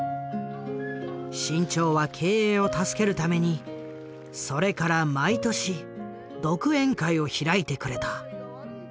志ん朝は経営を助けるためにそれから毎年独演会を開いてくれた。